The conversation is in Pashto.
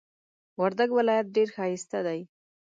وردک ولایت ډیر ښایسته دی.